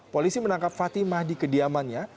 polisi menangkap fatimah di kediamannya